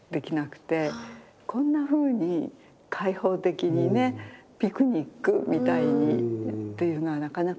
こんなふうに開放的にねピクニックみたいにっていうのはなかなか。